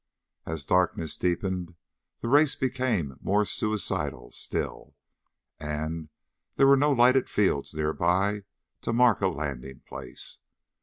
As darkness deepened, the race became more suicidal still, and there were no lighted fields nearby to mark a landing place.